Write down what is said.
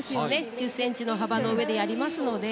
１０ｃｍの幅の上でやるので。